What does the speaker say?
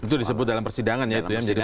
itu disebut dalam persidangan ya